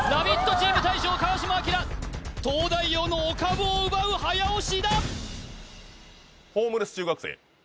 チーム大将川島明東大王のお株を奪う早押しだ！